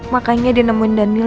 makanya dia nemuin daniel